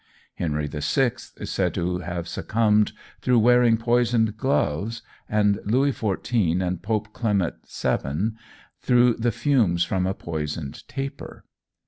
Henry VI is said to have succumbed through wearing poisoned gloves and Louis XIV and Pope Clement VII through the fumes from a poisoned taper.